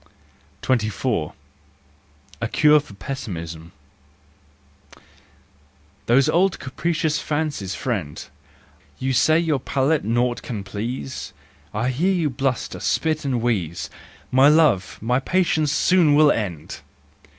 24. A Cure for Pessimism . Those old capricious fancies, friend! You say your palate naught can please, I hear you bluster, spit and wheeze, My love, my patience soon will end